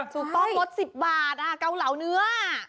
สุปป้องลด๑๐บาทอ่ะเกาเหลาเนื้อ